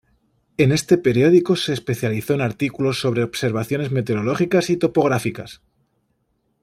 En este periódico se especializó en artículos sobre observaciones meteorológicas y topográficas.